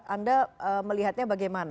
anda melihatnya bagaimana